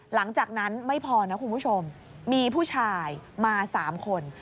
หลังจากนั้นไม่พอนะคุณผู้ชมมีผู้ชายมา๓คน